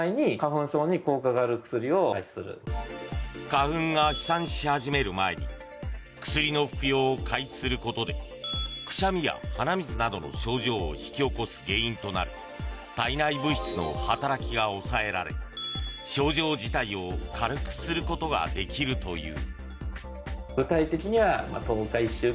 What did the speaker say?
花粉が飛散し始める前に薬の服用を開始することでくしゃみや鼻水などの症状を引き起こす原因となる体内物質の働きが抑えられ症状自体を軽くすることができるという。